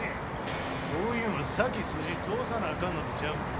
こういうんは先筋通さなあかんのとちゃうんか？